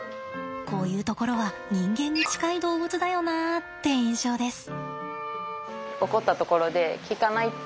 こういうところは人間に近い動物だよなって印象です。